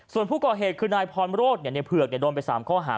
ส่วนผู้ก่อเหตุคือนายพรมโรศเนี่ยเนี่ยเผือกเนี่ยโดนไป๓ข้อหา